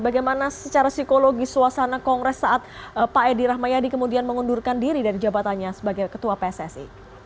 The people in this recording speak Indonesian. bagaimana secara psikologi suasana kongres saat pak edi rahmayadi kemudian mengundurkan diri dari jabatannya sebagai ketua pssi